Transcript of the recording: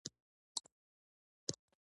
دښمن ستا هر ګام څاري